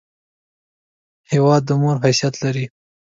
هېواد د مور حیثیت لري!